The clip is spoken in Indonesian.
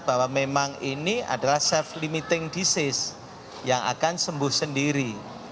bahwa memang ini adalah self limiting disease yang akan sembuh sendiri